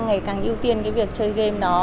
ngày càng ưu tiên cái việc chơi game đó